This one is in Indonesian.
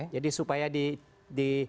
jadi supaya di